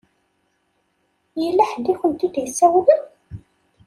Yella ḥedd i akent-id-isawlen?